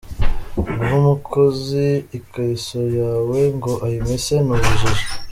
Guha umukozi ikariso yawe ngo ayimese ni ubujiji.